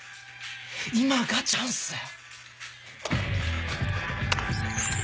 今がチャンスだよ。